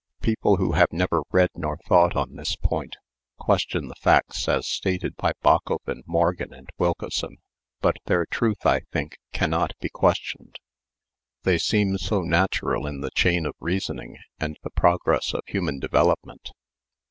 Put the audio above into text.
People who have neither read nor thought on this point, question the facts as stated by Bachofen, Morgan, and Wilkeson; but their truth, I think, cannot be questioned. They seem so natural in the chain of reasoning and the progress of human development.